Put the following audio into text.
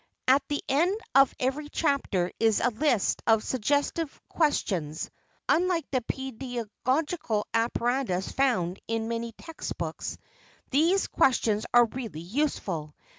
At the end of every chapter is a list of "suggestive questions." Unlike the pedagogical apparatus found in many text books, these questions are really useful.